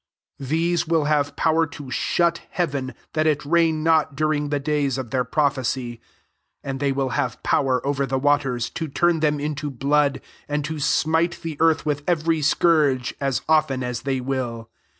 6 These will have power to shut heaven, that it rain not during the days of their prophe cy : and they vnll have power 3ver the waters, to turn them Into blood, and to smite the ^arth with every scourge, as >ften as they will.